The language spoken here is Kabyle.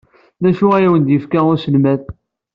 D acu ay awen-d-yefka uselmad?